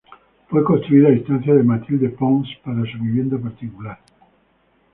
Fue construida a instancias de Matilde Pons para su vivienda particular.